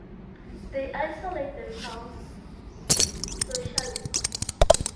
They isolate themselves socially.